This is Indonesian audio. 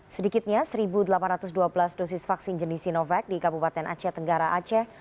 sedikitnya satu delapan ratus dua belas dosis vaksin jenis sinovac di kabupaten aceh tenggara aceh